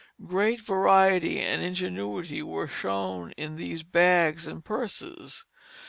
Great variety and ingenuity were shown in these bags and purses.